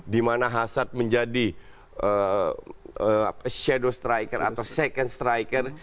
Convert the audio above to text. dimana hazard menjadi shadow striker atau second striker